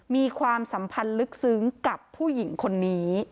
ความสัมพันธ์ลึกซึ้งกับผู้หญิงคนนี้